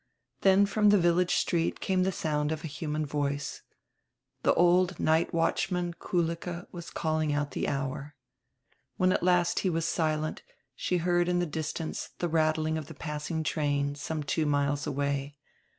Then from die village street came die sound of a human voice. The old nightwatcliman Kulicke was calling out die hour. When at last he was silent she heard in die distance die rattling of the passing train, some two miles away.